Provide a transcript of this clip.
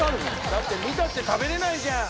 だって見たって食べられないじゃん！